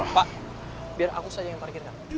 pak biar aku saja yang parkirkan